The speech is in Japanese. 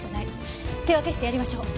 手分けしてやりましょう。